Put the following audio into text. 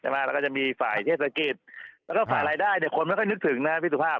แล้วก็จะมีฝ่ายเทศกิจแล้วก็ฝ่ายรายได้เนี่ยคนไม่ค่อยนึกถึงนะพี่สุภาพ